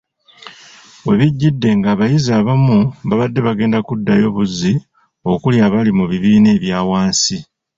We bijjidde ng’abayizi abamu babadde bagenda kuddayo buzzi okuli abali mu bibiina ebya wansi.